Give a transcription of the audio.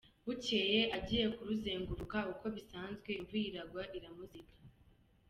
Bukeye agiye kuruzenguruka uko bisanzwe imvura iragwa iramuziga.